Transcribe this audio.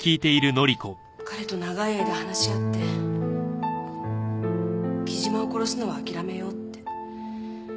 彼と長い間話し合って貴島を殺すのは諦めようって。